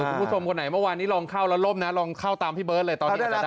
เออคุณผู้ทรงคนไหนเมื่อวานนี้ลองเข้าแล้วลมนะลองเข้าตามพี่เบิร์ทเลยตอนนี้อาจจะได้แล้ว